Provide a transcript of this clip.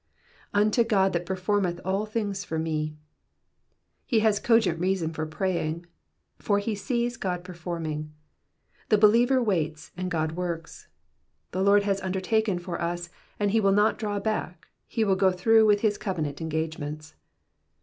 ^*^Unto Ood that per formeih all things for me,'*'* He has cogent reason for praying, for he sees God performing. The believer waits and God works. The Lord has undertaken for us, and he will not draw back, he will go through with his covenant engage ments.